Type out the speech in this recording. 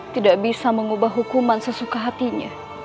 tidak bisa mengubah hukuman sesuka hatinya